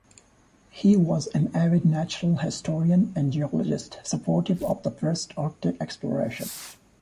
He was an avid natural historian and geologist, supportive of the first arctic explorations.